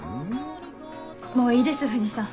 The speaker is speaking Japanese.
もういいです藤さん。